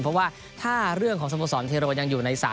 เพราะว่าถ้าเรื่องของสมศลเทโรยีอยู่ในศาลย์